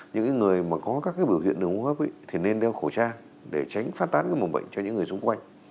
những người mà có các biểu hiện đường hô hấp thì nên đeo khẩu trang để tránh phát tán cái mầm bệnh cho những người xung quanh